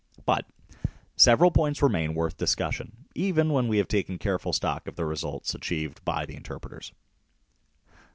But several points remain worth discussion even when we have taken careful stock of the results achieved by the interpreters.